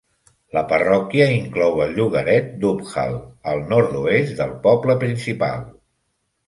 La parròquia inclou el llogaret d'Uphall al nord-oest del poble principal.